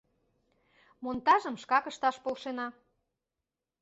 Монтажым шкак ышташ полшена.